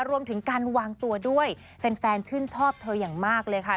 รวมถึงการวางตัวด้วยแฟนชื่นชอบเธออย่างมากเลยค่ะ